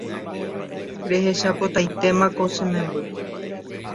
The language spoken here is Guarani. Rehechapotaitémako che memby